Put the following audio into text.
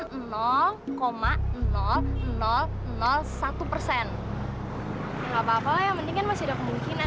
tidak apa apa yang penting kan masih ada kemungkinan